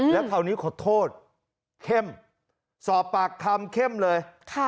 แล้วคราวนี้ขอโทษเข้มสอบปากคำเข้มเลย